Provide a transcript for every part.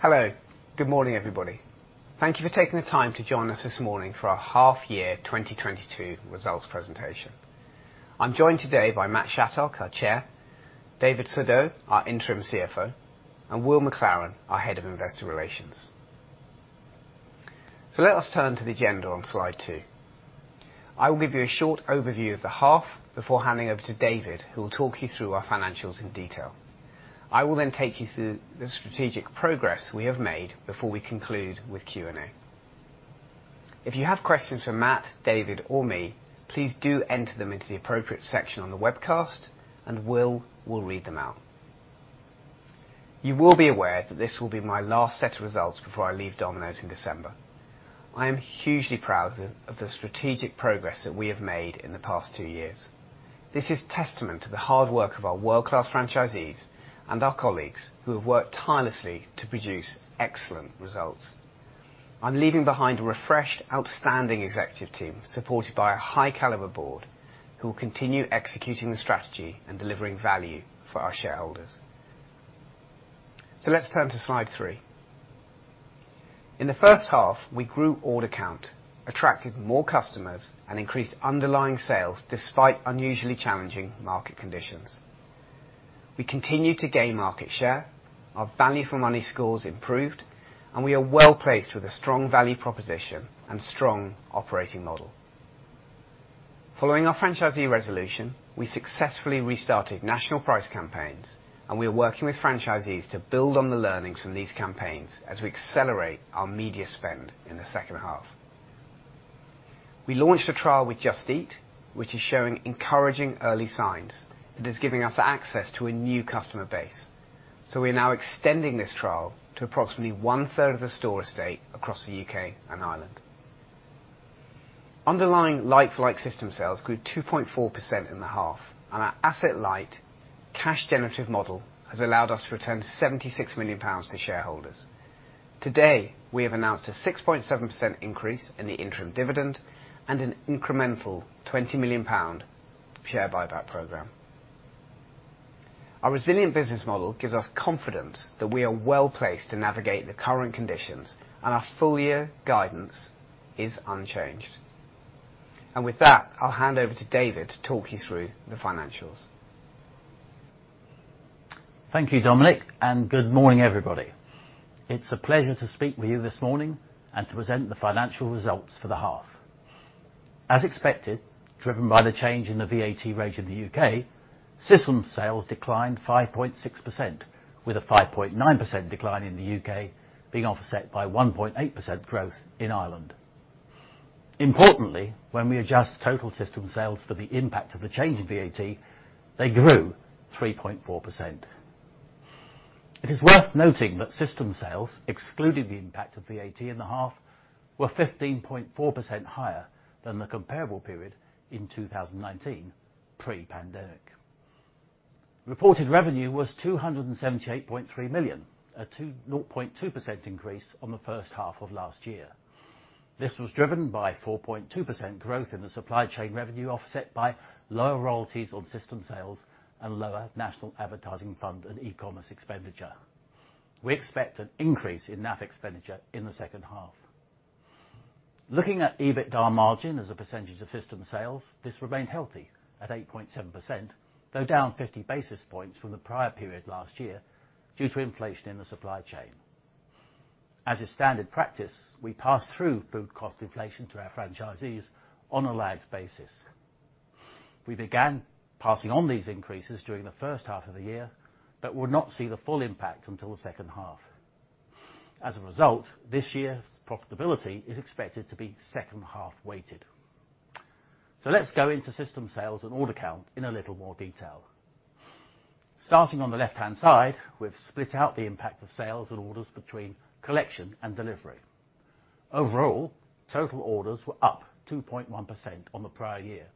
Hello. Good morning, everybody. Thank you for taking the time to join us this morning for our half year 2022 results presentation. I'm joined today by Matt Shattock, our Chair, David Surdeau, our Interim CFO, and Will MacLaren, our Head of Investor Relations. Let us turn to the agenda on slide two. I will give you a short overview of the half before handing over to David, who will talk you through our financials in detail. I will then take you through the strategic progress we have made before we conclude with Q&A. If you have questions for Matt, David, or me, please do enter them into the appropriate section on the webcast and Will will read them out. You will be aware that this will be my last set of results before I leave Domino's in December. I am hugely proud of the strategic progress that we have made in the past two years. This is testament to the hard work of our world-class franchisees and our colleagues who have worked tirelessly to produce excellent results. I'm leaving behind a refreshed, outstanding executive team, supported by a high caliber board who will continue executing the strategy and delivering value for our shareholders. Let's turn to slide three. In the first half, we grew order count, attracted more customers, and increased underlying sales despite unusually challenging market conditions. We continued to gain market share, our value for money scores improved, and we are well-placed with a strong value proposition and strong operating model. Following our franchisee resolution, we successfully restarted national price campaigns, and we are working with franchisees to build on the learnings from these campaigns as we accelerate our media spend in the second half. We launched a trial with Just Eat, which is showing encouraging early signs that is giving us access to a new customer base. We are now extending this trial to approximately one-third of the store estate across the UK and Ireland. Underlying like-for-like system sales grew 2.4% in the half, and our asset light cash generative model has allowed us to return 76 million pounds to shareholders. Today, we have announced a 6.7% increase in the interim dividend and an incremental 20 million pound share buyback program. Our resilient business model gives us confidence that we are well-placed to navigate the current conditions, and our full-year guidance is unchanged. With that, I'll hand over to David to talk you through the financials. Thank you, Dominic, and good morning everybody. It's a pleasure to speak with you this morning and to present the financial results for the half. As expected, driven by the change in the VAT rate in the UK, system sales declined 5.6%, with a 5.9% decline in the UK being offset by 1.8% growth in Ireland. Importantly, when we adjust total system sales for the impact of the change in VAT, they grew 3.4%. It is worth noting that system sales excluding the impact of VAT in the half were 15.4% higher than the comparable period in 2019, pre-pandemic. Reported revenue was 278.3 million, a 0.2% increase on the first half of last year. This was driven by 4.2% growth in the supply chain revenue offset by lower royalties on system sales and lower national advertising fund and e-commerce expenditure. We expect an increase in NAF expenditure in the second half. Looking at EBITDA margin as a percentage of system sales, this remained healthy at 8.7%, though down 50 basis points from the prior period last year due to inflation in the supply chain. As a standard practice, we pass through food cost inflation to our franchisees on a lagged basis. We began passing on these increases during the first half of the year, but will not see the full impact until the second half. As a result, this year's profitability is expected to be second half weighted. Let's go into system sales and order count in a little more detail. Starting on the left-hand side, we've split out the impact of sales and orders between collection and delivery. Overall, total orders were up 2.1% on the prior year,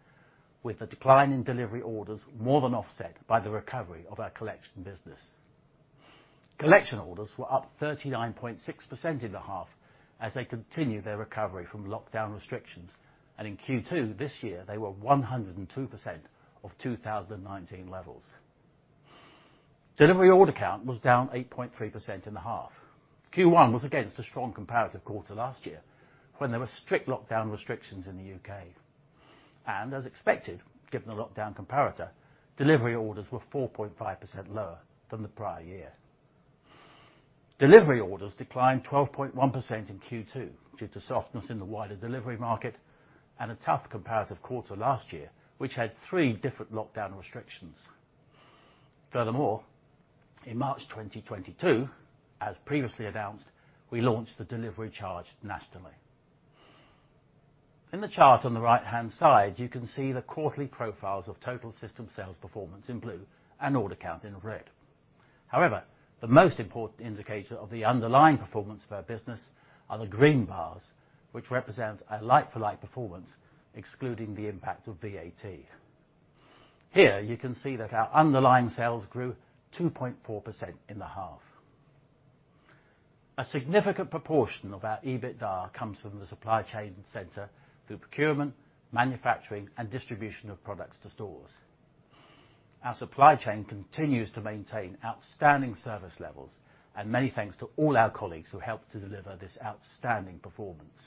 with the decline in delivery orders more than offset by the recovery of our collection business. Collection orders were up 39.6% in the half as they continued their recovery from lockdown restrictions, and in Q2 this year, they were 102% of 2019 levels. Delivery order count was down 8.3% in the half. Q1 was against a strong comparative quarter last year when there were strict lockdown restrictions in the UK. As expected, given the lockdown comparator, delivery orders were 4.5% lower than the prior year. Delivery orders declined 12.1% in Q2 due to softness in the wider delivery market and a tough comparative quarter last year, which had three different lockdown restrictions. Furthermore, in March 2022, as previously announced, we launched the delivery charge nationally. In the chart on the right-hand side, you can see the quarterly profiles of total system sales performance in blue and order count in red. However, the most important indicator of the underlying performance of our business are the green bars, which represent a like-for-like performance excluding the impact of VAT. Here you can see that our underlying sales grew 2.4% in the half. A significant proportion of our EBITDA comes from the supply chain center through procurement, manufacturing, and distribution of products to stores. Our supply chain continues to maintain outstanding service levels, and many thanks to all our colleagues who helped to deliver this outstanding performance.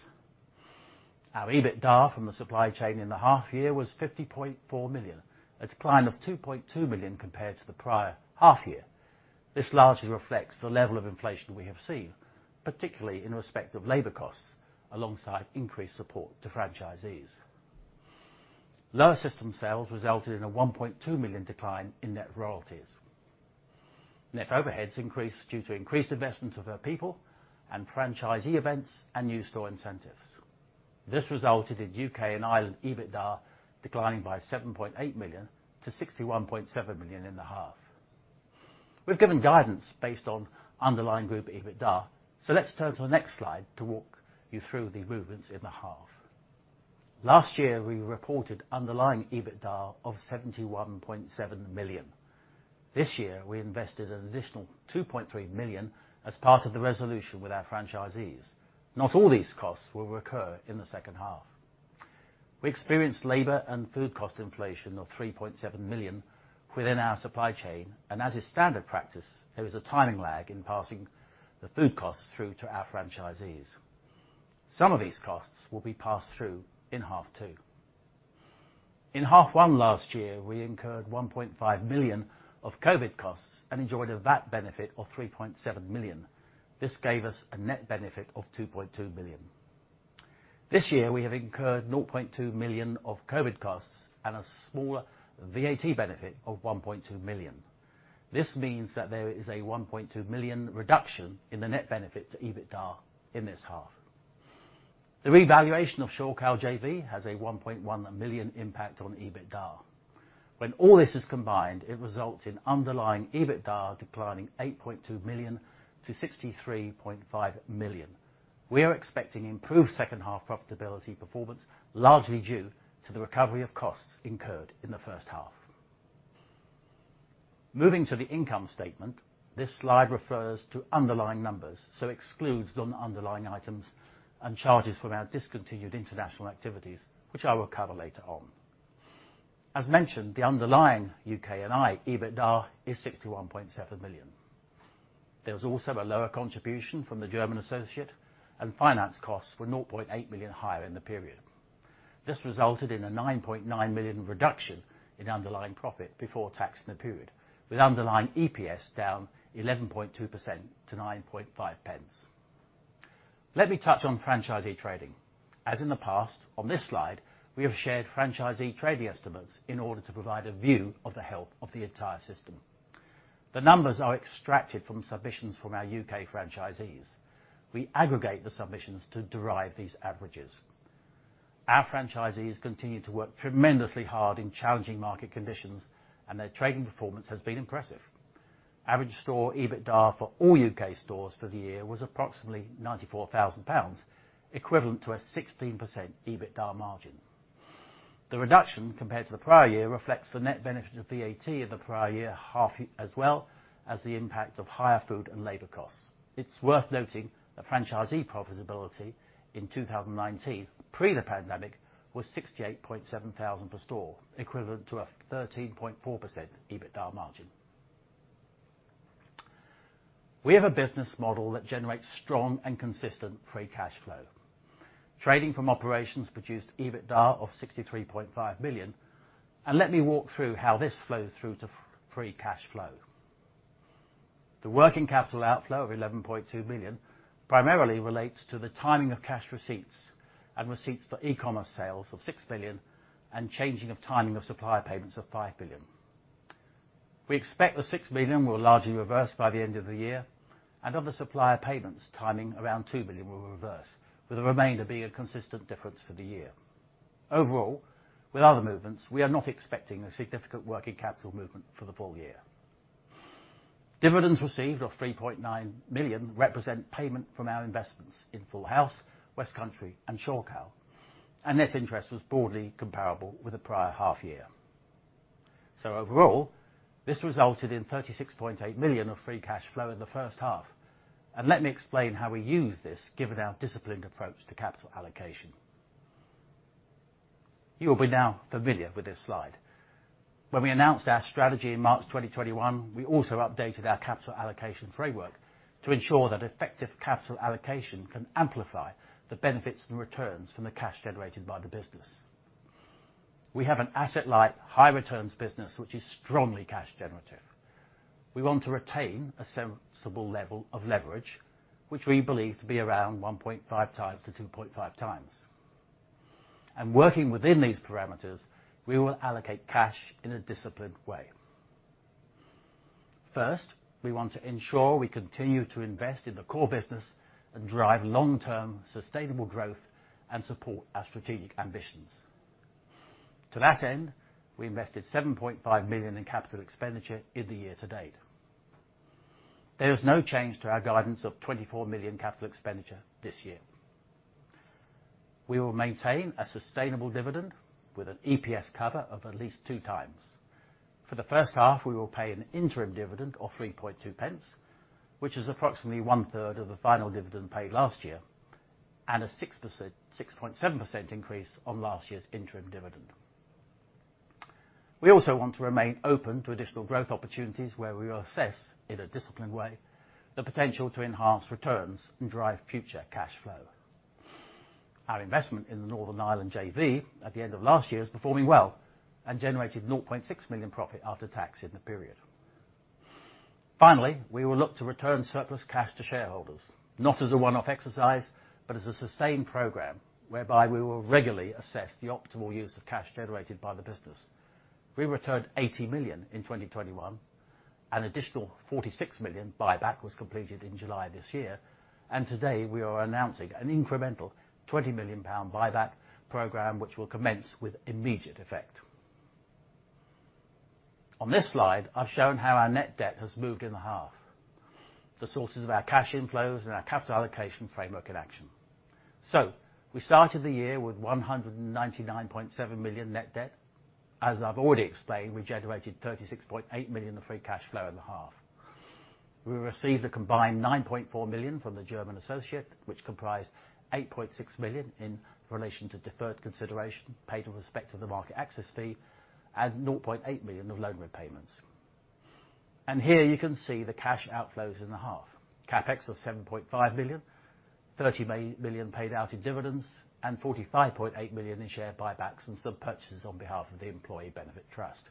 Our EBITDA from the supply chain in the half year was 50.4 million, a decline of 2.2 million compared to the prior half year. This largely reflects the level of inflation we have seen, particularly in respect of labor costs, alongside increased support to franchisees. Lower system sales resulted in a 1.2 million decline in net royalties. Net overheads increased due to increased investments of our people and franchisee events and new store incentives. This resulted in UK and Ireland EBITDA declining by 7.8 million to 61.7 million in the half. We've given guidance based on underlying group EBITDA, so let's turn to the next slide to walk you through the movements in the half. Last year, we reported underlying EBITDA of 71.7 million. This year, we invested an additional 2.3 million as part of the resolution with our franchisees. Not all these costs will recur in the second half. We experienced labor and food cost inflation of 3.7 million within our supply chain, and as is standard practice, there is a timing lag in passing the food costs through to our franchisees. Some of these costs will be passed through in half two. In half one last year, we incurred 1.5 million of COVID costs and enjoyed a VAT benefit of 3.7 million. This gave us a net benefit of 2.2 million. This year, we have incurred 0.2 million of COVID costs and a smaller VAT benefit of 1.2 million. This means that there is a 1.2 million reduction in the net benefit to EBITDA in this half. The revaluation of Shorecal JV has a 1.1 million impact on EBITDA. When all this is combined, it results in underlying EBITDA declining 8.2 million to 63.5 million. We are expecting improved second half profitability performance, largely due to the recovery of costs incurred in the first half. Moving to the income statement, this slide refers to underlying numbers, so excludes non-underlying items and charges from our discontinued international activities, which I will cover later on. As mentioned, the underlying UK and Ireland EBITDA is 61.7 million. There was also a lower contribution from the German associate and finance costs were 0.8 million higher in the period. This resulted in a 9.9 million reduction in underlying profit before tax in the period, with underlying EPS down 11.2% to 0.095. Let me touch on franchisee trading. As in the past, on this slide, we have shared franchisee trading estimates in order to provide a view of the health of the entire system. The numbers are extracted from submissions from our UK franchisees. We aggregate the submissions to derive these averages. Our franchisees continue to work tremendously hard in challenging market conditions, and their trading performance has been impressive. Average store EBITDA for all UK stores for the year was approximately 94,000 pounds, equivalent to a 16% EBITDA margin. The reduction compared to the prior year reflects the net benefit of VAT in the prior year half as well as the impact of higher food and labor costs. It's worth noting that franchisee profitability in 2019, pre the pandemic, was 68.7 thousand per store, equivalent to a 13.4% EBITDA margin. We have a business model that generates strong and consistent free cash flow. Trading from operations produced EBITDA of 63.5 million, and let me walk through how this flows through to free cash flow. The working capital outflow of 11.2 million primarily relates to the timing of cash receipts and receipts for e-commerce sales of 6 million and changing of timing of supplier payments of 5 million. We expect the 6 million will largely reverse by the end of the year, and of the supplier payments timing around 2 million will reverse, with the remainder being a consistent difference for the year. Overall, with other movements, we are not expecting a significant working capital movement for the full-year. Dividends received of 3.9 million represent payment from our investments in Full House, West Country and Shorecal. Net interest was broadly comparable with the prior half year. Overall, this resulted in 36.8 million of free cash flow in the first half. Let me explain how we use this given our disciplined approach to capital allocation. You will be now familiar with this slide. When we announced our strategy in March 2021, we also updated our capital allocation framework to ensure that effective capital allocation can amplify the benefits and returns from the cash generated by the business. We have an asset-light, high returns business which is strongly cash generative. We want to retain a sensible level of leverage, which we believe to be around 1.5x to 2.5x. Working within these parameters, we will allocate cash in a disciplined way. First, we want to ensure we continue to invest in the core business and drive long-term sustainable growth and support our strategic ambitions. To that end, we invested 7.5 million in capital expenditure in the year-to-date. There is no change to our guidance of 24 million capital expenditure this year. We will maintain a sustainable dividend with an EPS cover of at least 2x. For the first half, we will pay an interim dividend of 0.032, which is approximately one third of the final dividend paid last year, and a 6.7% increase on last year's interim dividend. We also want to remain open to additional growth opportunities where we will assess, in a disciplined way, the potential to enhance returns and drive future cash flow. Our investment in the Northern Ireland JV at the end of last year is performing well and generated 0.6 million profit after tax in the period. Finally, we will look to return surplus cash to shareholders, not as a one-off exercise, but as a sustained program whereby we will regularly assess the optimal use of cash generated by the business. We returned 80 million in 2021. An additional 46 million buyback was completed in July this year. Today, we are announcing an incremental 20 million pound buyback program which will commence with immediate effect. On this slide, I've shown how our net debt has moved in the half. The sources of our cash inflows and our capital allocation framework in action. We started the year with 199.7 million net debt. As I've already explained, we generated 36.8 million of free cash flow in the half. We received a combined 9.4 million from the German associate, which comprised 8.6 million in relation to deferred consideration paid with respect to the market access fee and 0.8 million of loan repayments. Here you can see the cash outflows in the half. CapEx of 7.5 million, 30 million paid out in dividends, and 45.8 million in share buybacks and some purchases on behalf of the employee benefit trust.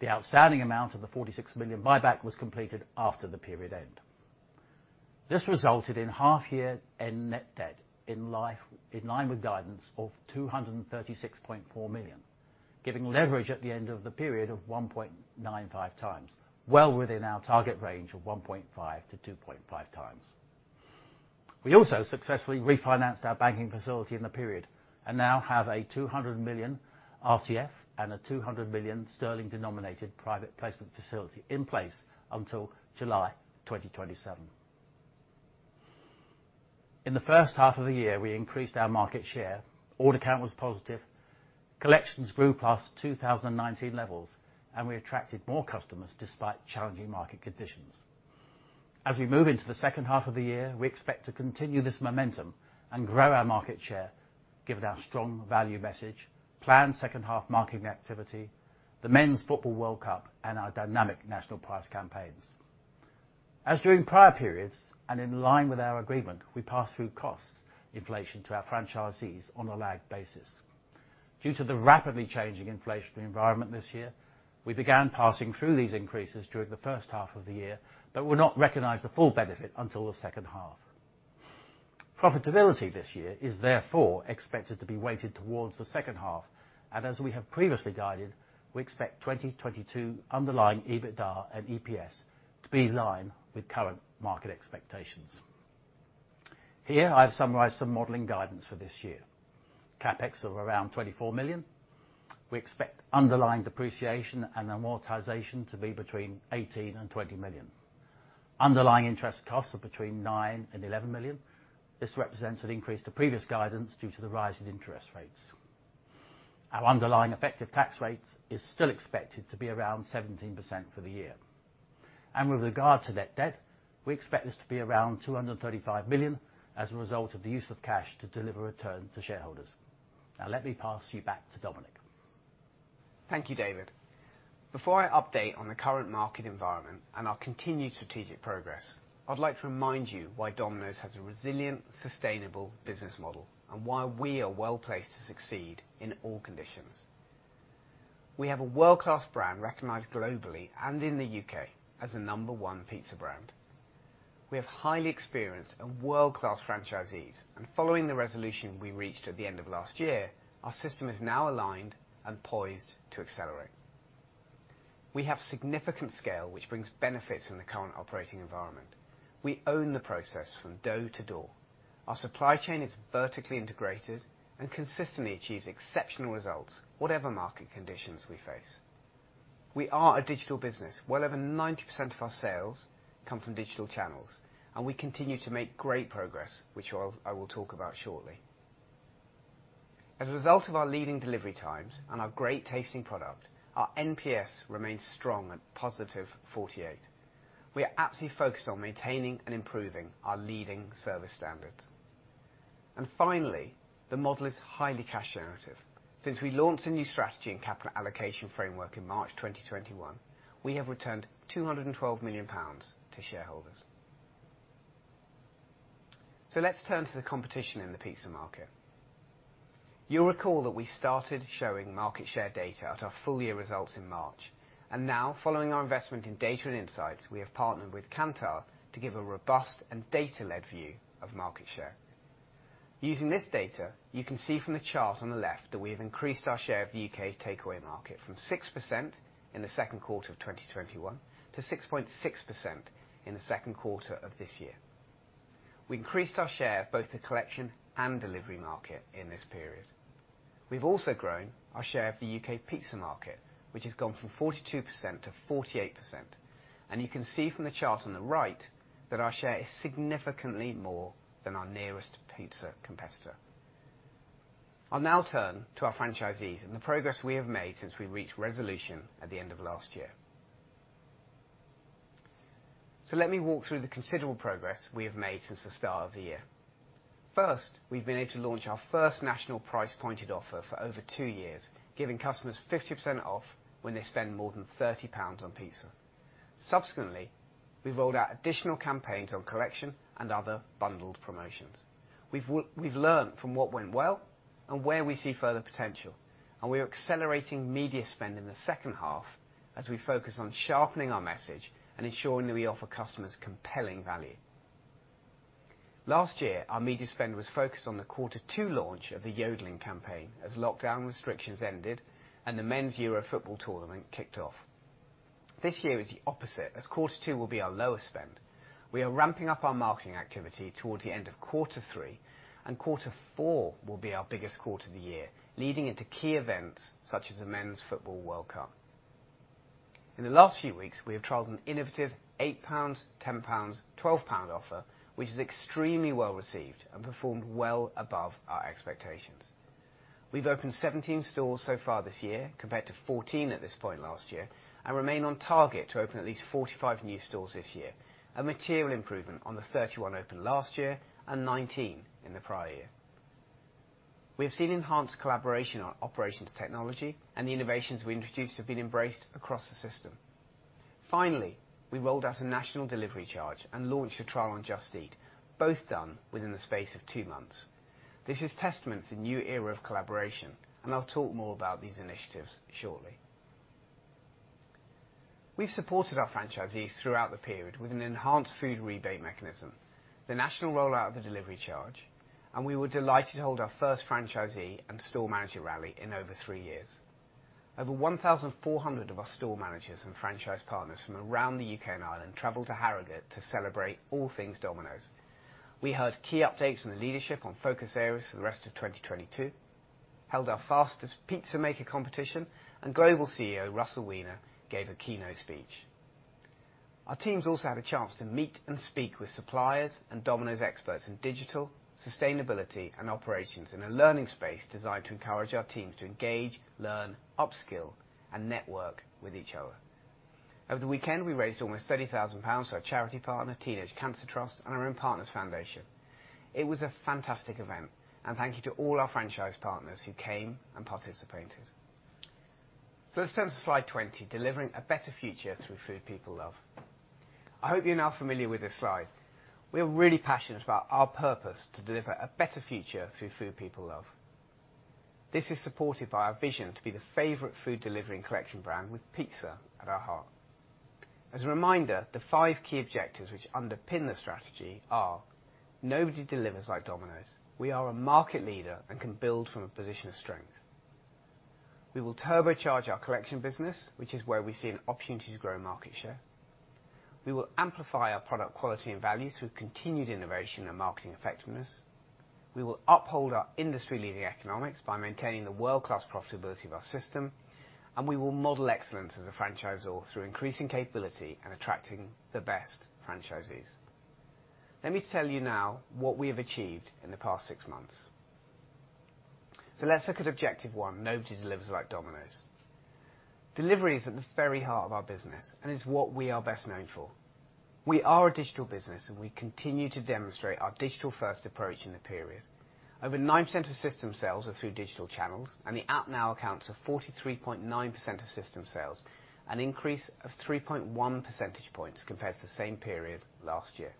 The outstanding amount of the 46 million buyback was completed after the period end. This resulted in half-year end net debt in line with guidance of 236.4 million, giving leverage at the end of the period of 1.95x, well within our target range of 1.5x to 2.5x. We also successfully refinanced our banking facility in the period and now have a 200 million RCF and a 200 million sterling-denominated private placement facility in place until July 2027. In the first half of the year, we increased our market share. Order count was positive. Collections grew past 2019 levels. We attracted more customers despite challenging market conditions. As we move into the second half of the year, we expect to continue this momentum and grow our market share, given our strong value message, planned second half marketing activity, the FIFA World Cup, and our dynamic national price campaigns. As during prior periods and in line with our agreement, we pass through costs inflation to our franchisees on a lagged basis. Due to the rapidly changing inflationary environment this year, we began passing through these increases during the first half of the year but will not recognize the full benefit until the second half. Profitability this year is therefore expected to be weighted towards the second half, and as we have previously guided, we expect 2022 underlying EBITDA and EPS to be in line with current market expectations. Here, I have summarized some modeling guidance for this year. CapEx of around £24 million. We expect underlying depreciation and amortization to be between 18 million and 20 million. Underlying interest costs of between 9 million and 11 million. This represents an increase to previous guidance due to the rise in interest rates. Our underlying effective tax rates is still expected to be around 17% for the year. With regard to net debt, we expect this to be around 235 million as a result of the use of cash to deliver return to shareholders. Now let me pass you back to Dominic. Thank you, David. Before I update on the current market environment and our continued strategic progress, I'd like to remind you why Domino's has a resilient, sustainable business model, and why we are well placed to succeed in all conditions. We have a world-class brand recognized globally and in the U.K. as the number one pizza brand. We have highly experienced and world-class franchisees, and following the resolution we reached at the end of last year, our system is now aligned and poised to accelerate. We have significant scale, which brings benefits in the current operating environment. We own the process from dough to door. Our supply chain is vertically integrated and consistently achieves exceptional results, whatever market conditions we face. We are a digital business. Well over 90% of our sales come from digital channels, and we continue to make great progress, which I will talk about shortly. As a result of our leading delivery times and our great tasting product, our NPS remains strong at +48. We are absolutely focused on maintaining and improving our leading service standards. Finally, the model is highly cash generative. Since we launched a new strategy and capital allocation framework in March 2021, we have returned 212 million pounds to shareholders. Let's turn to the competition in the pizza market. You'll recall that we started showing market share data at our full-year results in March. Now, following our investment in data and insights, we have partnered with Kantar to give a robust and data-led view of market share. Using this data, you can see from the chart on the left that we have increased our share of the U.K. takeaway market from 6% in the second quarter of 2021 to 6.6% in the second quarter of this year. We increased our share of both the collection and delivery market in this period. We've also grown our share of the U.K. pizza market, which has gone from 42% to 48%. You can see from the chart on the right that our share is significantly more than our nearest pizza competitor. I'll now turn to our franchisees and the progress we have made since we reached resolution at the end of last year. Let me walk through the considerable progress we have made since the start of the year. First, we've been able to launch our first national price pointed offer for over two years, giving customers 50% off when they spend more than 30 pounds on pizza. Subsequently, we've rolled out additional campaigns on collection and other bundled promotions. We've learned from what went well and where we see further potential, and we are accelerating media spend in the second half as we focus on sharpening our message and ensuring that we offer customers compelling value. Last year, our media spend was focused on the quarter two launch of the yodeling campaign as lockdown restrictions ended and the Men's Euro football tournament kicked off. This year is the opposite, as quarter two will be our lowest spend. We are ramping up our marketing activity towards the end of quarter three, and quarter four will be our biggest quarter of the year, leading into key events such as the FIFA World Cup. In the last few weeks, we have trialed an innovative 8 pounds, 10 pounds, 12 pound offer, which is extremely well-received and performed well above our expectations. We've opened 17 stores so far this year, compared to 14 at this point last year, and remain on target to open at least 45 new stores this year, a material improvement on the 31 opened last year and 19 in the prior year. We have seen enhanced collaboration on operations technology, and the innovations we introduced have been embraced across the system. Finally, we rolled out a national delivery charge and launched a trial on Just Eat, both done within the space of two months. This is testament to the new era of collaboration, and I'll talk more about these initiatives shortly. We've supported our franchisees throughout the period with an enhanced food rebate mechanism, the national rollout of the delivery charge, and we were delighted to hold our first franchisee and store manager rally in over three years. Over 1,400 of our store managers and franchise partners from around the UK and Ireland traveled to Harrogate to celebrate all things Domino's. We heard key updates from the leadership on focus areas for the rest of 2022, held our fastest pizza maker competition, and Global CEO Russell Weiner gave a keynote speech. Our teams also had a chance to meet and speak with suppliers and Domino's experts in digital, sustainability, and operations in a learning space designed to encourage our teams to engage, learn, upskill, and network with each other. Over the weekend, we raised almost 30,000 pounds for our charity partner, Teenage Cancer Trust, and our own Partners Foundation. It was a fantastic event, and thank you to all our franchise partners who came and participated. Let's turn to slide 20, delivering a better future through food people love. I hope you're now familiar with this slide. We are really passionate about our purpose to deliver a better future through food people love. This is supported by our vision to be the favorite food delivery and collection brand with pizza at our heart. As a reminder, the five key objectives which underpin the strategy are. Nobody delivers like Domino's. We are a market leader and can build from a position of strength. We will turbocharge our collection business, which is where we see an opportunity to grow market share. We will amplify our product quality and value through continued innovation and marketing effectiveness. We will uphold our industry-leading economics by maintaining the world-class profitability of our system. We will model excellence as a franchisor through increasing capability and attracting the best franchisees. Let me tell you now what we have achieved in the past six months. Let's look at objective one. Nobody delivers like Domino's. Delivery is at the very heart of our business, and it's what we are best known for. We are a digital business, and we continue to demonstrate our digital-first approach in the period. Over 9% of system sales are through digital channels, and the app now accounts for 43.9% of system sales, an increase of 3.1 percentage points compared to the same period last year.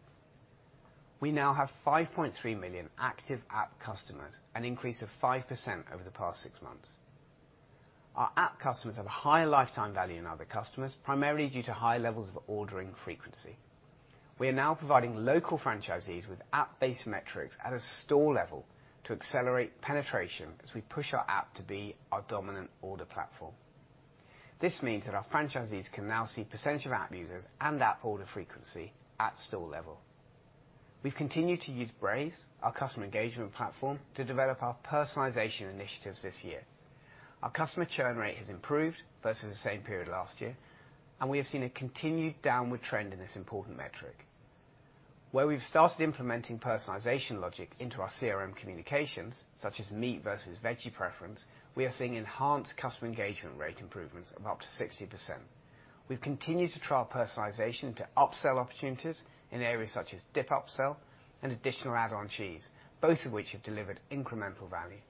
We now have 5.3 million active app customers, an increase of 5% over the past 6 months. Our app customers have a higher lifetime value than other customers, primarily due to high levels of ordering frequency. We are now providing local franchisees with app-based metrics at a store level to accelerate penetration as we push our app to be our dominant order platform. This means that our franchisees can now see percentage of app users and app order frequency at store level. We've continued to use Braze, our customer engagement platform, to develop our personalization initiatives this year. Our customer churn rate has improved versus the same period last year, and we have seen a continued downward trend in this important metric. Where we've started implementing personalization logic into our CRM communications, such as meat versus veggie preference, we are seeing enhanced customer engagement rate improvements of up to 60%. We've continued to trial personalization to upsell opportunities in areas such as dip upsell and additional add-on cheese, both of which have delivered incremental value.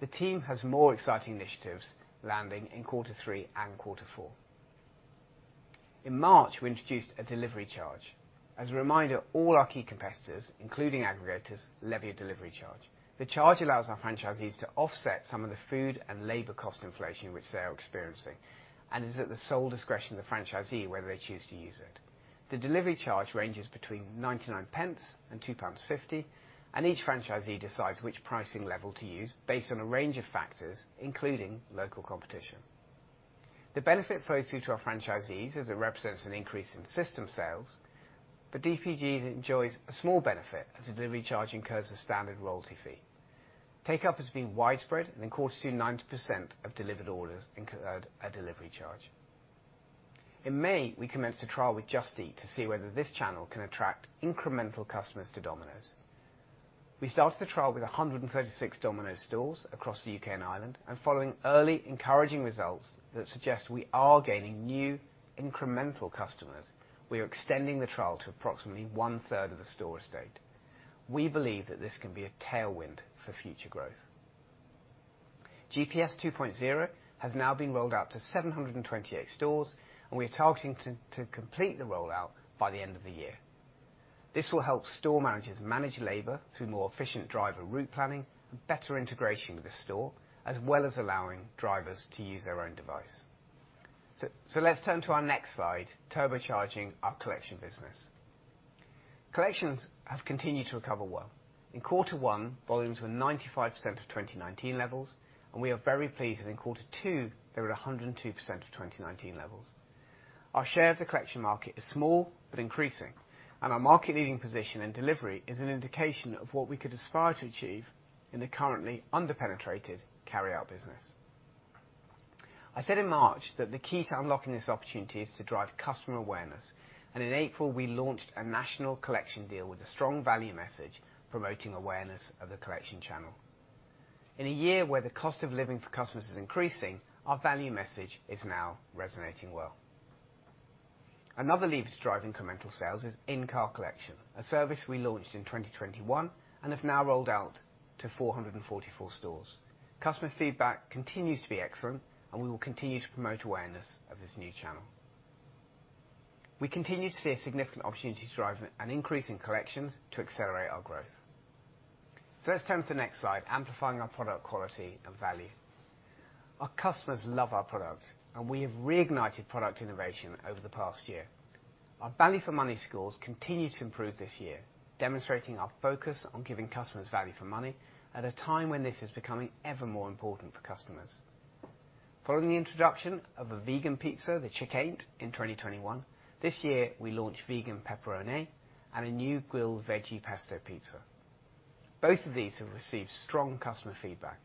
The team has more exciting initiatives landing in quarter three and quarter four. In March, we introduced a delivery charge. As a reminder, all our key competitors, including aggregators, levy a delivery charge. The charge allows our franchisees to offset some of the food and labor cost inflation which they are experiencing and is at the sole discretion of the franchisee whether they choose to use it. The delivery charge ranges between 0.99 and 2.50 pounds, and each franchisee decides which pricing level to use based on a range of factors, including local competition. The benefit flows through to our franchisees as it represents an increase in system sales, but DPG enjoys a small benefit as a delivery charge incurs a standard royalty fee. Uptake has been widespread, and in quarter two, 90% of delivered orders incurred a delivery charge. In May, we commenced a trial with Just Eat to see whether this channel can attract incremental customers to Domino's. We started the trial with 136 Domino's stores across the UK and Ireland. Following early encouraging results that suggest we are gaining new incremental customers, we are extending the trial to approximately one-third of the store estate. We believe that this can be a tailwind for future growth. GPS 2.0 has now been rolled out to 728 stores, and we are targeting to complete the rollout by the end of the year. This will help store managers manage labor through more efficient driver route planning and better integration with the store, as well as allowing drivers to use their own device. Let's turn to our next slide, turbocharging our collection business. Collections have continued to recover well. In quarter one, volumes were 95% of 2019 levels, and we are very pleased that in quarter two they were 102% of 2019 levels. Our share of the collection market is small but increasing, and our market-leading position in delivery is an indication of what we could aspire to achieve in the currently under-penetrated carryout business. I said in March that the key to unlocking this opportunity is to drive customer awareness, and in April, we launched a national collection deal with a strong value message promoting awareness of the collection channel. In a year where the cost of living for customers is increasing, our value message is now resonating well. Another lever to drive incremental sales is in-car collection, a service we launched in 2021 and have now rolled out to 444 stores. Customer feedback continues to be excellent, and we will continue to promote awareness of this new channel. We continue to see a significant opportunity to drive an increase in collections to accelerate our growth. Let's turn to the next slide, amplifying our product quality and value. Our customers love our product, and we have reignited product innovation over the past year. Our value for money scores continue to improve this year, demonstrating our focus on giving customers value for money at a time when this is becoming ever more important for customers. Following the introduction of a vegan pizza, the Chick Ain't in 2021, this year we launched vegan pepperoni and a new grilled veggie pesto pizza. Both of these have received strong customer feedback.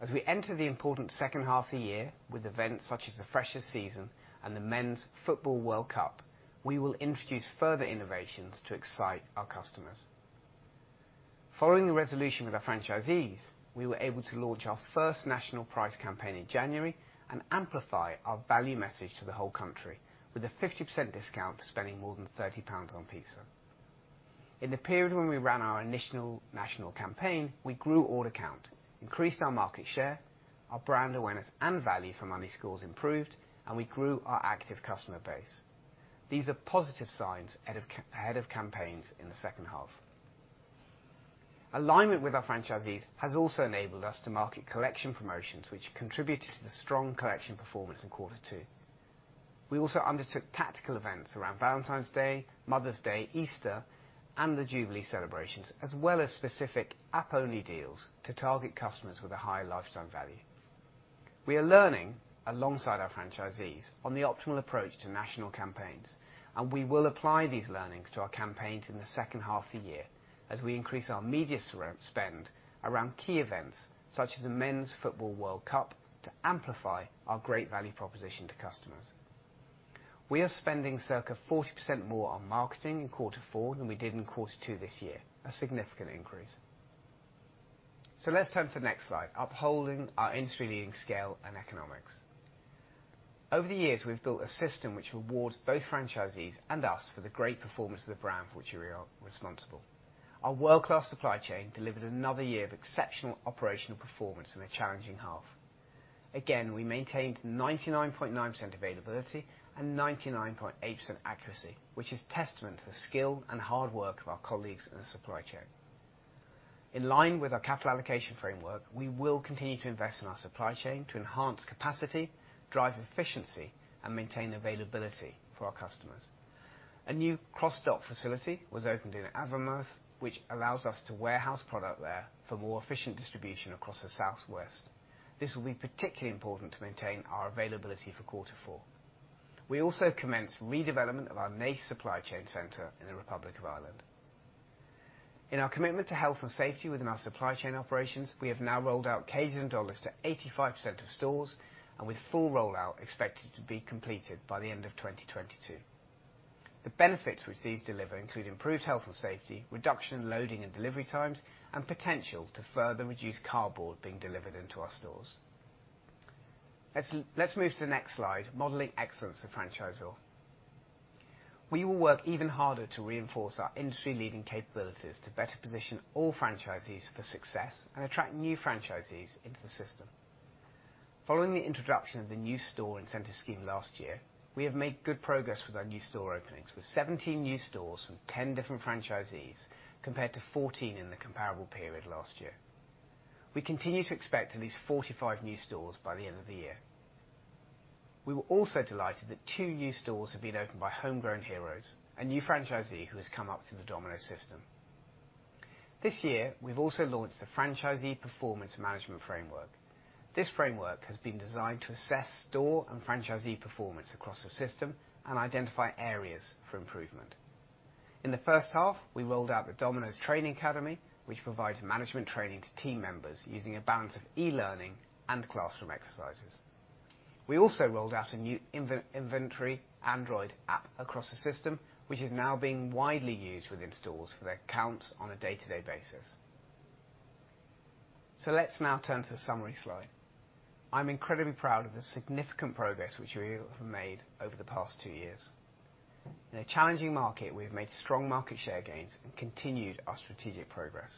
As we enter the important second half of the year with events such as the Freshers' Season and the FIFA World Cup, we will introduce further innovations to excite our customers. Following the resolution with our franchisees, we were able to launch our first national price campaign in January and amplify our value message to the whole country with a 50% discount for spending more than 30 pounds on pizza. In the period when we ran our initial national campaign, we grew order count, increased our market share, our brand awareness and value for money scores improved, and we grew our active customer base. These are positive signs ahead of campaigns in the second half. Alignment with our franchisees has also enabled us to market collection promotions, which contributed to the strong collection performance in quarter two. We also undertook tactical events around Valentine's Day, Mother's Day, Easter, and the Jubilee celebrations, as well as specific app-only deals to target customers with a high lifetime value. We are learning alongside our franchisees on the optimal approach to national campaigns, and we will apply these learnings to our campaigns in the second half of the year as we increase our media spend around key events such as the Men's Football World Cup to amplify our great value proposition to customers. We are spending circa 40% more on marketing in quarter four than we did in quarter two this year, a significant increase. Let's turn to the next slide, upholding our industry-leading scale and economics. Over the years, we've built a system which rewards both franchisees and us for the great performance of the brand for which we are responsible. Our world-class supply chain delivered another year of exceptional operational performance in a challenging half. Again, we maintained 99.9% availability and 99.8% accuracy, which is testament to the skill and hard work of our colleagues in the supply chain. In line with our capital allocation framework, we will continue to invest in our supply chain to enhance capacity, drive efficiency, and maintain availability for our customers. A new cross-dock facility was opened in Avonmouth, which allows us to warehouse product there for more efficient distribution across the south west. This will be particularly important to maintain our availability for quarter four. We also commenced redevelopment of our Naas Supply Chain Centre in the Republic of Ireland. In our commitment to health and safety within our supply chain operations, we have now rolled out cages and dollies to 85% of stores, and with full rollout expected to be completed by the end of 2022. The benefits which these deliver include improved health and safety, reduction in loading and delivery times, and potential to further reduce cardboard being delivered into our stores. Let's move to the next slide, Modeling Excellence of Franchisor. We will work even harder to reinforce our industry-leading capabilities to better position all franchisees for success and attract new franchisees into the system. Following the introduction of the new store incentive scheme last year, we have made good progress with our new store openings, with 17 new stores from 10 different franchisees compared to 14 in the comparable period last year. We continue to expect at least 45 new stores by the end of the year. We were also delighted that two new stores have been opened by Homegrown Heroes, a new franchisee who has come up through the Domino's system. This year, we've also launched the Franchisee Performance Management Framework. This framework has been designed to assess store and franchisee performance across the system and identify areas for improvement. In the first half, we rolled out the Domino's Training Academy, which provides management training to team members using a balance of e-learning and classroom exercises. We also rolled out a new inventory Android app across the system, which is now being widely used within stores for their counts on a day-to-day basis. Let's now turn to the summary slide. I'm incredibly proud of the significant progress which we have made over the past two years. In a challenging market, we've made strong market share gains and continued our strategic progress.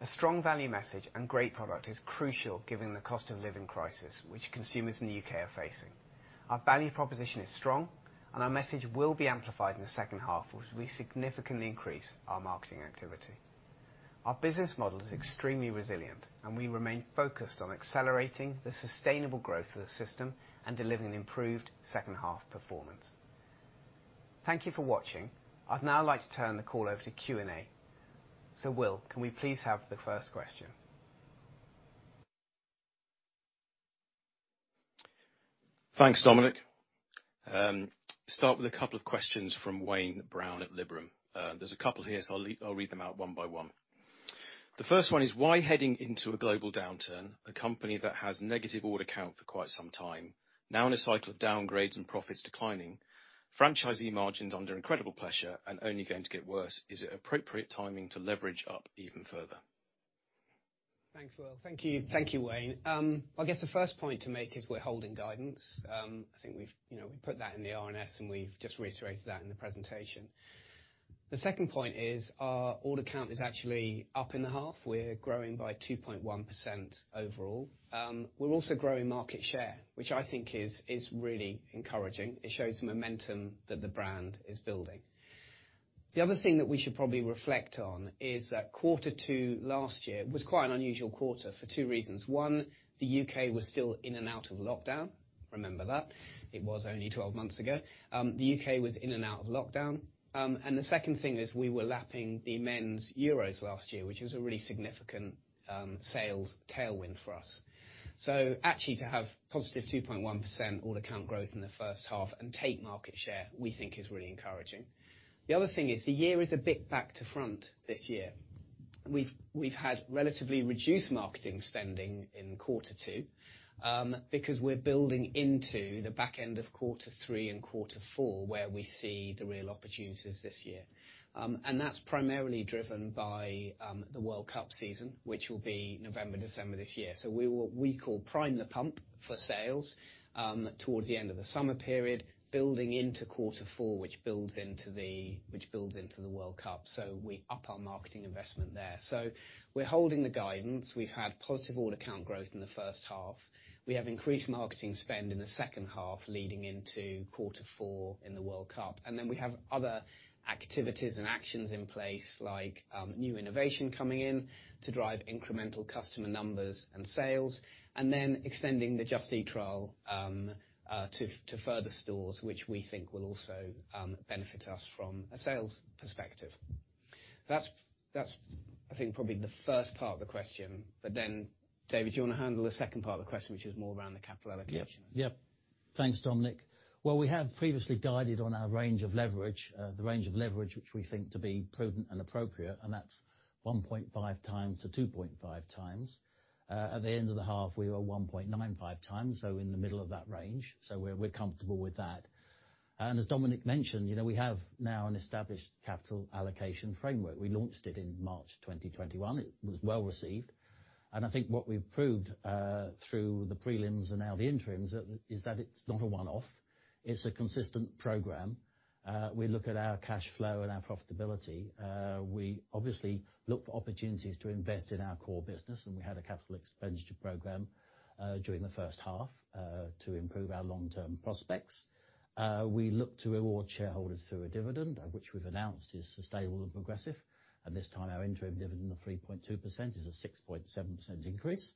A strong value message and great product is crucial, given the cost of living crisis which consumers in the UK are facing. Our value proposition is strong, and our message will be amplified in the second half, which we significantly increase our marketing activity. Our business model is extremely resilient, and we remain focused on accelerating the sustainable growth of the system and delivering improved second half performance. Thank you for watching. I'd now like to turn the call over to Q&A. Will, can we please have the first question? Thanks, Dominic. Start with a couple of questions from Wayne Brown at Liberum. There's a couple here, so I'll read them out one by one. The first one is why heading into a global downturn, a company that has negative order count for quite some time, now in a cycle of downgrades and profits declining, franchisee margins under incredible pressure and only going to get worse, is it appropriate timing to leverage up even further? Thanks, Will. Thank you, Wayne. I guess the first point to make is we're holding guidance. I think we've, you know, we put that in the RNS, and we've just reiterated that in the presentation. The second point is our order count is actually up in the half. We're growing by 2.1% overall. We're also growing market share, which I think is really encouraging. It shows the momentum that the brand is building. The other thing that we should probably reflect on is that quarter two last year was quite an unusual quarter for two reasons. One, the U.K. was still in and out of lockdown. Remember that? It was only 12 months ago. The U.K. was in and out of lockdown. The second thing is we were lapping the Men's Euros last year, which was a really significant sales tailwind for us. Actually to have positive 2.1% order count growth in the first half and take market share, we think is really encouraging. The other thing is the year is a bit back to front this year. We've had relatively reduced marketing spending in quarter two, because we're building into the back end of quarter three and quarter four, where we see the real opportunities this year. That's primarily driven by the World Cup season, which will be November, December this year. What we call prime the pump for sales towards the end of the summer period, building into quarter four, which builds into the World Cup. We up our marketing investment there. We're holding the guidance. We've had positive order count growth in the first half. We have increased marketing spend in the second half leading into quarter four in the World Cup. We have other activities and actions in place like new innovation coming in to drive incremental customer numbers and sales, and then extending the Just Eat trial to further stores, which we think will also benefit us from a sales perspective. That's, I think probably the first part of the question. David, do you want to handle the second part of the question, which is more around the capital allocation? Yep. Thanks, Dominic. Well, we have previously guided on our range of leverage, which we think to be prudent and appropriate, and that's 1.5x to 2.5x. At the end of the half, we were 1.95x, so in the middle of that range. We're comfortable with that. As Dominic mentioned, you know, we have now an established capital allocation framework. We launched it in March 2021. It was well received. I think what we've proved through the prelims and now the interims is that it's not a one-off, it's a consistent program. We look at our cash flow and our profitability. We obviously look for opportunities to invest in our core business, and we had a capital expenditure program during the first half to improve our long-term prospects. We look to reward shareholders through a dividend, which we've announced is sustainable and progressive. At this time, our interim dividend of 3.2% is a 6.7% increase.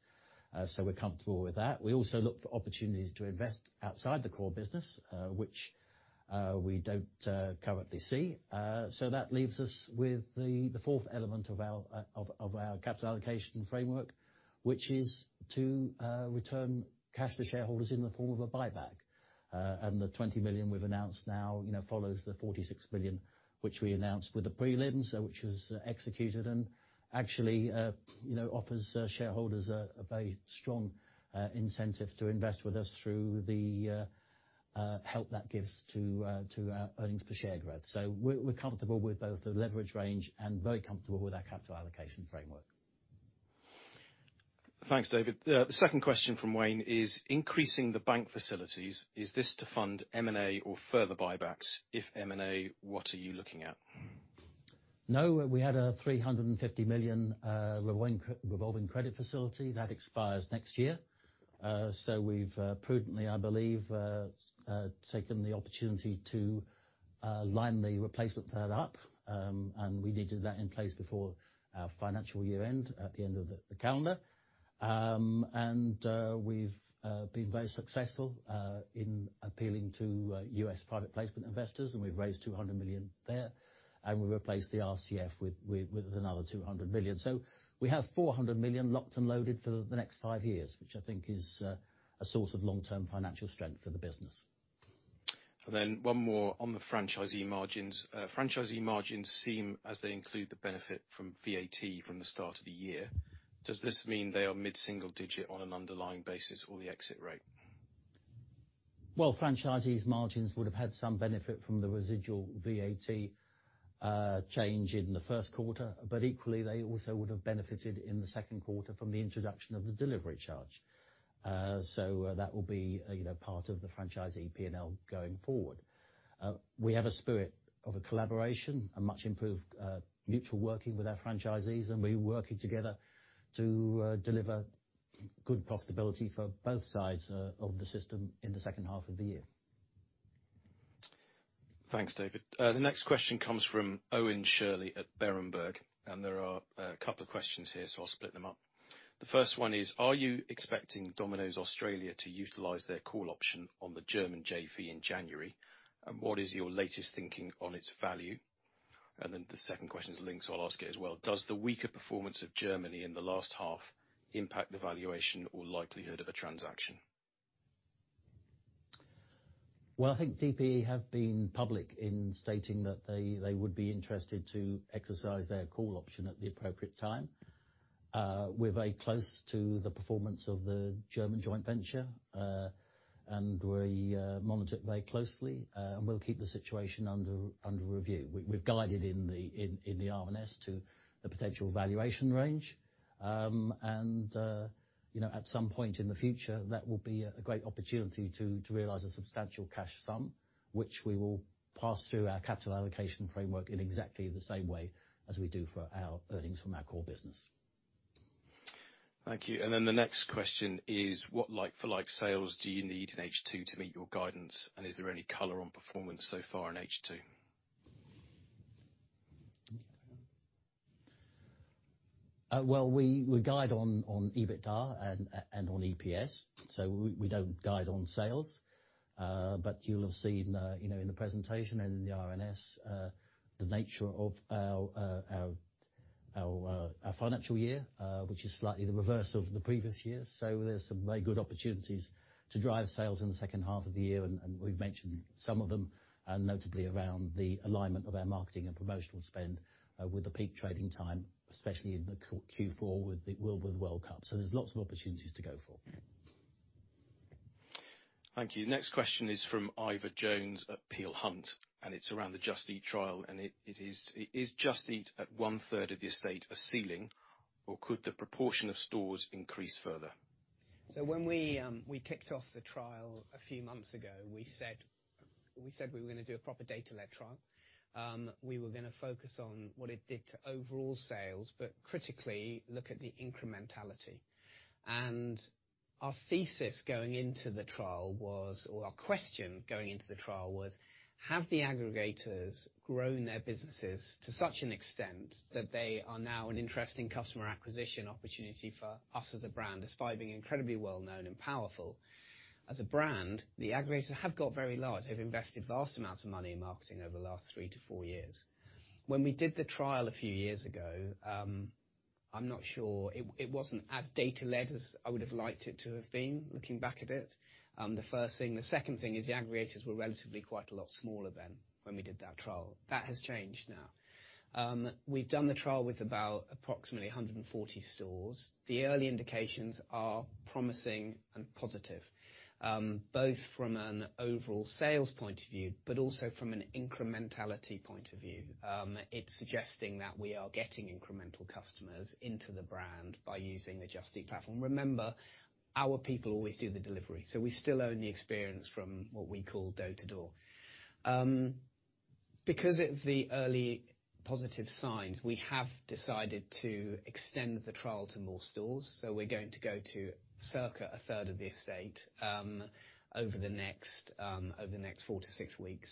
We're comfortable with that. We also look for opportunities to invest outside the core business, which we don't currently see. That leaves us with the fourth element of our capital allocation framework, which is to return cash to shareholders in the form of a buyback. The 20 million we've announced now, you know, follows the 46 million, which we announced with the prelims, which is executed and actually, you know, offers shareholders a very strong incentive to invest with us through the help that gives to earnings per share growth. We're comfortable with both the leverage range and very comfortable with our capital allocation framework. Thanks, David. The second question from Wayne is increasing the bank facilities, is this to fund M&A or further buybacks? If M&A, what are you looking at? No, we had a 350 million revolving credit facility. That expires next year. We've prudently, I believe, taken the opportunity to line the replacement for that up. We needed that in place before our financial year end at the end of the calendar. We've been very successful in appealing to U.S. private placement investors, and we've raised 200 million there, and we replaced the RCF with another 200 million. We have 400 million locked and loaded for the next five years, which I think is a source of long-term financial strength for the business. One more on the franchisee margins. Franchisee margins seem, as they include the benefit from VAT from the start of the year, does this mean they are mid-single-digit on an underlying basis or the exit rate? Well, franchisees' margins would have had some benefit from the residual VAT change in the first quarter, but equally they also would have benefited in the second quarter from the introduction of the delivery charge. That will be, you know, part of the franchisee P&L going forward. We have a spirit of a collaboration, a much improved, mutual working with our franchisees, and we're working together to deliver good profitability for both sides, of the system in the second half of the year. Thanks, David. The next question comes from Owen Shirley at Berenberg, and there are a couple of questions here, so I'll split them up. The first one is, are you expecting Domino's Australia to utilize their call option on the German JV in January? And what is your latest thinking on its value? And then the second question is linked, so I'll ask it as well. Does the weaker performance of Germany in the last half impact the valuation or likelihood of a transaction? Well, I think DPE have been public in stating that they would be interested to exercise their call option at the appropriate time. We're very close to the performance of the German joint venture, and we monitor it very closely, and we'll keep the situation under review. We've guided in the RNS to the potential valuation range. You know, at some point in the future, that will be a great opportunity to realize a substantial cash sum, which we will pass through our capital allocation framework in exactly the same way as we do for our earnings from our core business. Thank you. The next question is what like-for-like sales do you need in H2 to meet your guidance, and is there any color on performance so far in H2? Well, we guide on EBITDA and on EPS, so we don't guide on sales. You'll have seen, you know, in the presentation and in the RNS, the nature of our financial year, which is slightly the reverse of the previous year. There's some very good opportunities to drive sales in the second half of the year, and we've mentioned some of them, notably around the alignment of our marketing and promotional spend with the peak trading time, especially in Q4 with the World Cup. There's lots of opportunities to go for. Thank you. Next question is from Ivor Jones at Peel Hunt, and it's around the Just Eat trial. Is Just Eat at one-third of the estate a ceiling, or could the proportion of stores increase further? When we kicked off the trial a few months ago, we said we were gonna do a proper data-led trial. We were gonna focus on what it did to overall sales, but critically look at the incrementality. Our thesis going into the trial was, or our question going into the trial was, have the aggregators grown their businesses to such an extent that they are now an interesting customer acquisition opportunity for us as a brand, despite being incredibly well known and powerful as a brand? The aggregators have got very large. They've invested vast amounts of money in marketing over the last three to four years. When we did the trial a few years ago, I'm not sure, it wasn't as data-led as I would have liked it to have been, looking back at it, the first thing. The second thing is the aggregators were relatively quite a lot smaller then when we did that trial. That has changed now. We've done the trial with about approximately 140 stores. The early indications are promising and positive, both from an overall sales point of view, but also from an incrementality point of view. It's suggesting that we are getting incremental customers into the brand by using the Just Eat platform. Remember, our people always do the delivery, so we still own the experience from what we call door to door. Because of the early positive signs, we have decided to extend the trial to more stores. We're going to go to circa a third of the estate, over the next four to six weeks.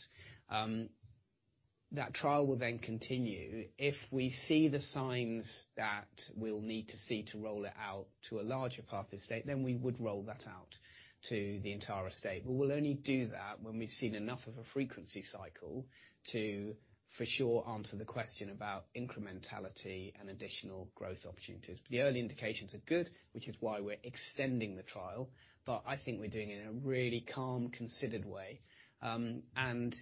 That trial will then continue. If we see the signs that we'll need to see to roll it out to a larger part of the estate, then we would roll that out to the entire estate. We'll only do that when we've seen enough of a frequency cycle to for sure answer the question about incrementality and additional growth opportunities. The early indications are good, which is why we're extending the trial, but I think we're doing it in a really calm, considered way.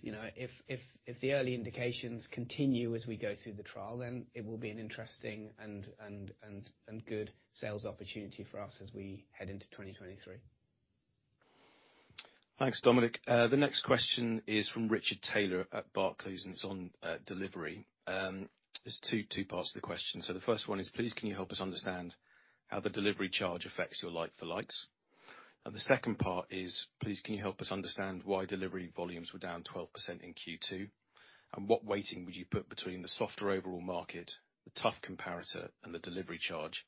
You know, if the early indications continue as we go through the trial, then it will be an interesting and good sales opportunity for us as we head into 2023. Thanks, Dominic. The next question is from Richard Taylor at Barclays, and it's on delivery. There's two parts to the question. The first one is, please, can you help us understand how the delivery charge affects your like-for-likes? And the second part is, please, can you help us understand why delivery volumes were down 12% in Q2? And what weighting would you put between the softer overall market, the tough comparator, and the delivery charge?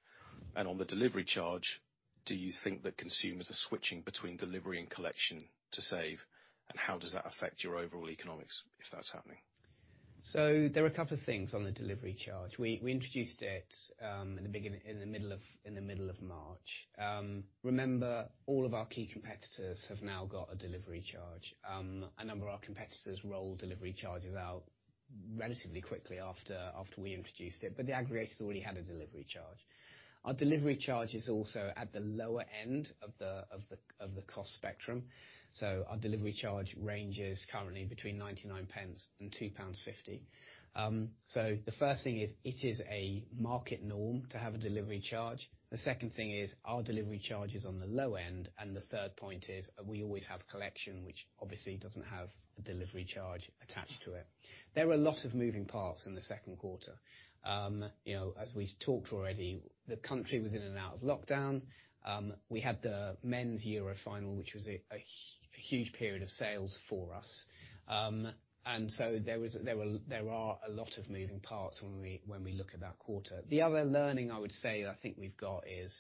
And on the delivery charge, do you think that consumers are switching between delivery and collection to save, and how does that affect your overall economics if that's happening? There were a couple of things on the delivery charge. We introduced it in the middle of March. Remember, all of our key competitors have now got a delivery charge. A number of our competitors rolled delivery charges out relatively quickly after we introduced it. The aggregators already had a delivery charge. Our delivery charge is also at the lower end of the cost spectrum, so our delivery charge range is currently between 0.99 and 2.50 pounds. The first thing is it is a market norm to have a delivery charge. The second thing is our delivery charge is on the low end, and the third point is we always have collection, which obviously doesn't have a delivery charge attached to it. There were a lot of moving parts in the second quarter. You know, as we talked already, the country was in and out of lockdown. We had the men's Euro final, which was a huge period of sales for us. There were a lot of moving parts when we look at that quarter. The other learning I would say I think we've got is,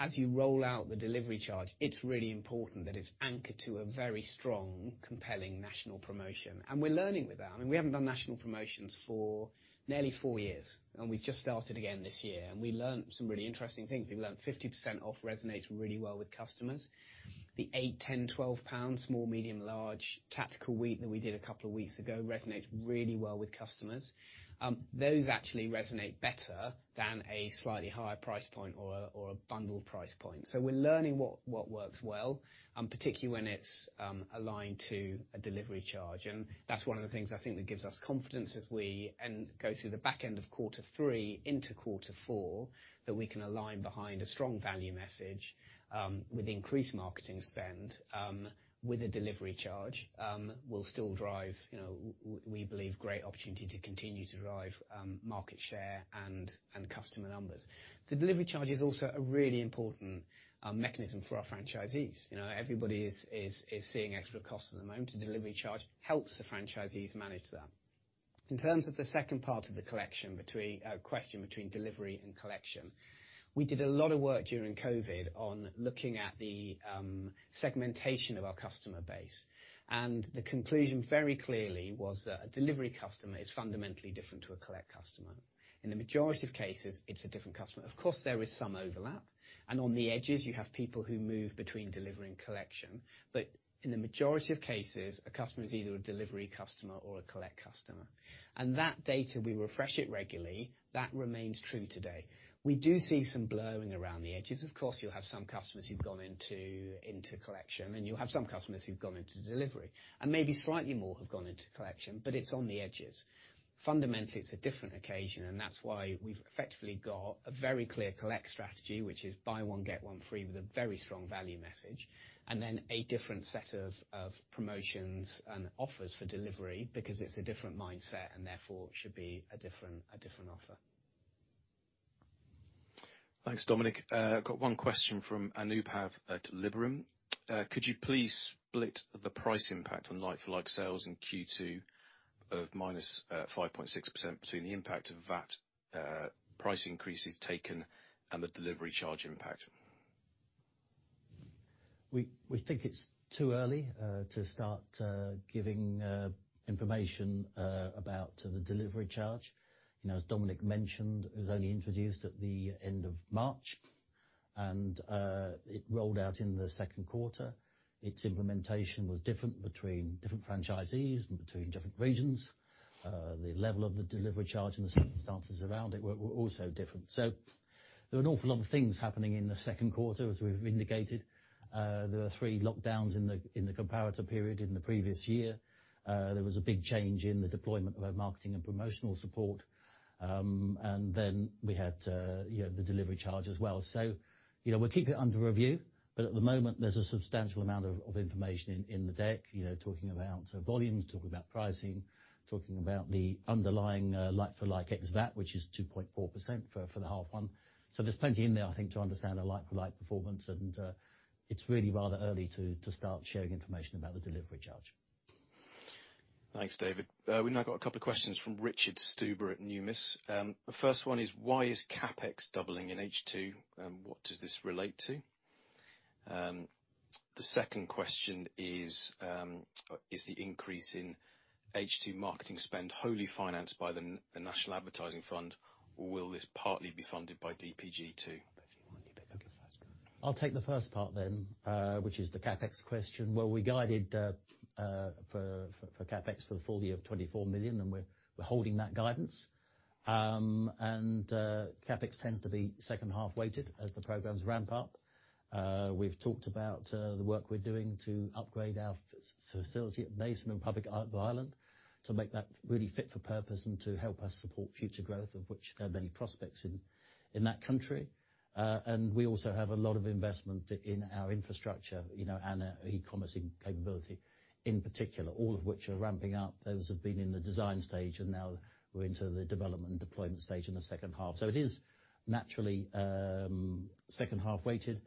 as you roll out the delivery charge, it's really important that it's anchored to a very strong, compelling national promotion, and we're learning with that. I mean, we haven't done national promotions for nearly four years, and we've just started again this year, and we learned some really interesting things. We learned 50% off resonates really well with customers. The 8, 10, 12 pound small, medium, large tactical week that we did a couple of weeks ago resonates really well with customers. Those actually resonate better than a slightly higher price point or a bundled price point. We're learning what works well, particularly when it's aligned to a delivery charge. That's one of the things I think that gives us confidence as we go through the back end of quarter three into quarter four, that we can align behind a strong value message with increased marketing spend with a delivery charge will still drive, you know, we believe, great opportunity to continue to drive market share and customer numbers. The delivery charge is also a really important mechanism for our franchisees. You know, everybody is seeing extra cost at the moment. The delivery charge helps the franchisees manage that. In terms of the second part of the question between delivery and collection, we did a lot of work during COVID on looking at the segmentation of our customer base, and the conclusion very clearly was that a delivery customer is fundamentally different to a collect customer. In the majority of cases, it's a different customer. Of course, there is some overlap, and on the edges you have people who move between delivery and collection. In the majority of cases, a customer is either a delivery customer or a collect customer. That data, we refresh it regularly. That remains true today. We do see some blurring around the edges. Of course, you'll have some customers who've gone into collection, and you'll have some customers who've gone into delivery. Maybe slightly more have gone into collection, but it's on the edges. Fundamentally, it's a different occasion, and that's why we've effectively got a very clear collect strategy, which is buy one, get one free with a very strong value message, and then a different set of promotions and offers for delivery because it's a different mindset and therefore should be a different offer. Thanks, Dominic. I've got one question from Anubhav Malhotra at Liberum. Could you please split the price impact on like-for-like sales in Q2 of -5.6% between the impact of that price increases taken and the delivery charge impact? We think it's too early to start giving information about the delivery charge. You know, as Dominic mentioned, it was only introduced at the end of March, and it rolled out in the second quarter. Its implementation was different between different franchisees and between different regions. The level of the delivery charge and the circumstances around it were also different. There were an awful lot of things happening in the second quarter, as we've indicated. There were three lockdowns in the comparator period in the previous year. There was a big change in the deployment of our marketing and promotional support. Then we had, you know, the delivery charge as well. You know, we'll keep it under review, but at the moment, there's a substantial amount of information in the deck, you know, talking about volumes, talking about pricing, talking about the underlying like-for-like ex-VAT, which is 2.4% for the half one. There's plenty in there I think to understand a like-for-like performance and it's really rather early to start sharing information about the delivery charge. Thanks, David. We've now got a couple of questions from Richard Stuber at Numis. The first one is, why is CapEx doubling in H2, and what does this relate to? The second question is the increase in H2 marketing spend wholly financed by the National Advertising Fund, or will this partly be funded by DPG too? I'll take the first part then, which is the CapEx question. Well, we guided for CapEx for the full-year of 24 million, and we're holding that guidance. CapEx tends to be second half weighted as the programs ramp up. We've talked about the work we're doing to upgrade our facility at Basingstoke and Republic of Ireland to make that really fit for purpose and to help us support future growth of which there are many prospects in that country. We also have a lot of investment in our infrastructure, you know, e-commerce capability in particular, all of which are ramping up. Those have been in the design stage, and now we're into the development and deployment stage in the second half. It is naturally second half weighted,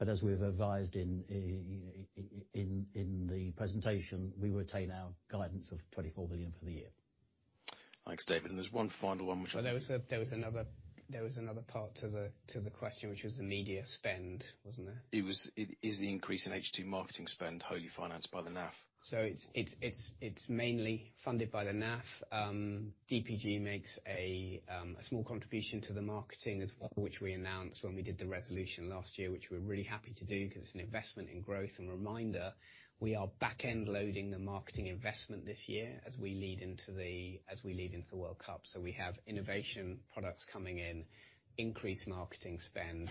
but as we've advised in the presentation, we retain our guidance of 24 million for the year. Thanks, David. There's one final one. Well, there was another part to the question, which was the media spend, wasn't it? Is the increase in H2 marketing spend wholly financed by the NAF? It's mainly funded by the NAF. DPG makes a small contribution to the marketing as well, which we announced when we did the resolution last year, which we're really happy to do 'cause it's an investment in growth. A reminder, we are back-end loading the marketing investment this year as we lead into the World Cup. We have innovation products coming in, increased marketing spend,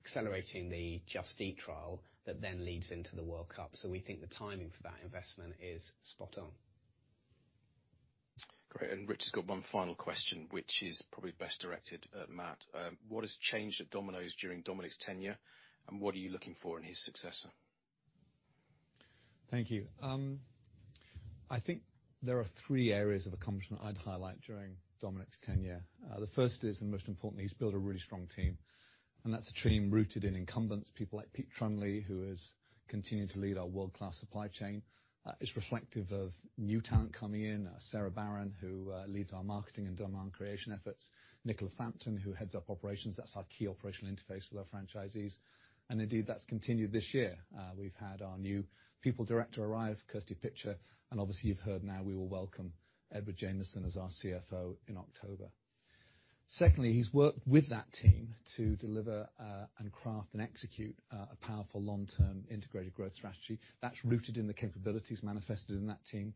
accelerating the Just Eat trial that then leads into the World Cup. We think the timing for that investment is spot on. Great. Rich has got one final question, which is probably best directed at Matt. What has changed at Domino's during Dominic's tenure, and what are you looking for in his successor? Thank you. I think there are three areas of accomplishment I'd highlight during Dominic's tenure. The first is, and most importantly, he's built a really strong team, and that's a team rooted in incumbents. People like Pete Trundley, who has continued to lead our world-class supply chain. It's reflective of new talent coming in. Sarah Barron, who leads our marketing and demand creation efforts. Nicola Frampton, who heads up operations. That's our key operational interface with our franchisees. Indeed, that's continued this year. We've had our new People Director arrive, Kirsty Pitcher, and obviously you've heard now we will welcome Edward Jamieson as our CFO in October. Secondly, he's worked with that team to deliver, and craft and execute, a powerful long-term integrated growth strategy that's rooted in the capabilities manifested in that team.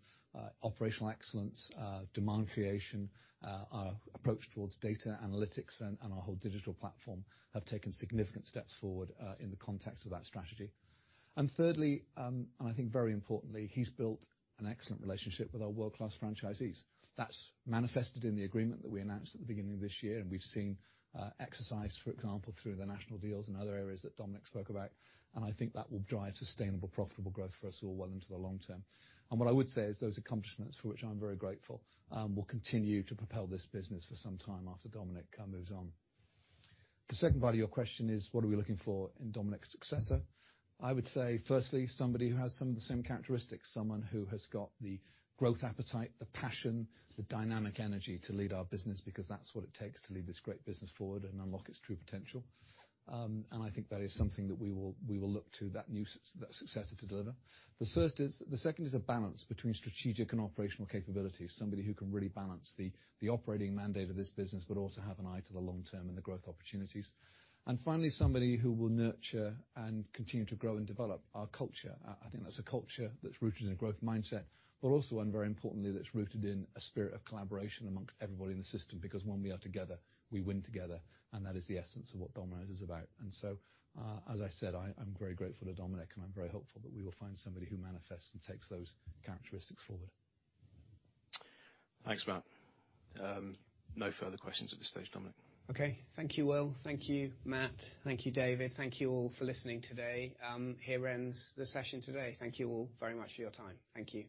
Operational excellence, demand creation, our approach towards data analytics and our whole digital platform have taken significant steps forward in the context of that strategy. Thirdly, and I think very importantly, he's built an excellent relationship with our world-class franchisees. That's manifested in the agreement that we announced at the beginning of this year, and we've seen execution, for example, through the national deals and other areas that Dominic spoke about, and I think that will drive sustainable profitable growth for us all well into the long term. What I would say is those accomplishments, for which I'm very grateful, will continue to propel this business for some time after Dominic moves on. The second part of your question is what are we looking for in Dominic's successor? I would say, firstly, somebody who has some of the same characteristics. Someone who has got the growth appetite, the passion, the dynamic energy to lead our business because that's what it takes to lead this great business forward and unlock its true potential. I think that is something that we will look to that new successor to deliver. The second is a balance between strategic and operational capabilities. Somebody who can really balance the operating mandate of this business, but also have an eye to the long term and the growth opportunities. Finally, somebody who will nurture and continue to grow and develop our culture. I think that's a culture that's rooted in a growth mindset, but also one, very importantly, that's rooted in a spirit of collaboration among everybody in the system. Because when we are together, we win together, and that is the essence of what Domino's is about. As I said, I'm very grateful to Dominic, and I'm very hopeful that we will find somebody who manifests and takes those characteristics forward. Thanks, Matt. No further questions at this stage, Dominic. Okay. Thank you, Will. Thank you, Matt. Thank you, David. Thank you all for listening today. Here ends the session today. Thank you all very much for your time. Thank you.